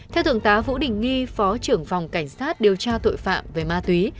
theo thượng tá vũ đình nghi phó trưởng phòng cảnh sát điều tra tội phạm về ma túy